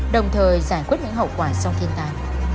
đồng thời giải quyết những hậu quả sau thiên tai